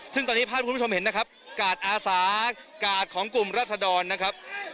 ซึ่งตอนนี้ภาพคุณผู้ชมเห็นนะครับกาดอาสากาดของกลุ่มรัศดรนะครับ